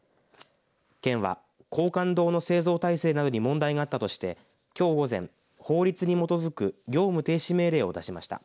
県は、廣貫堂の製造体制などに問題があったとしてきょう午前、法律に基づく業務停止命令を出しました。